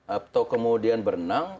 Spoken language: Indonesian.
atau kemudian berenang